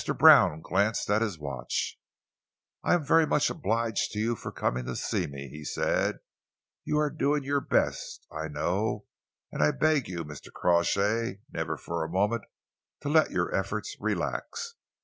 Brown glanced at his watch. "I am very much obliged to you for coming to see me," he said. "You are doing your best, I know, and I beg you, Mr. Crawshay, never for a moment to let your efforts relax.